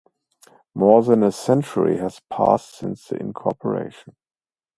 More than a century has passed since incorporation.